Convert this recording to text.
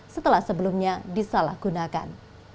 setelah sebelumnya disalahgunakan